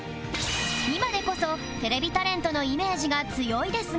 今でこそテレビタレントのイメージが強いですが